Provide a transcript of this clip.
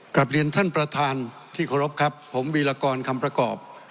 กลับเรียนท่านประธานที่เคารพครับผมวีรกรคำประกอบ